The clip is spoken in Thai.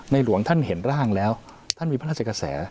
หลวงท่านเห็นร่างแล้วท่านมีพระราชกระแส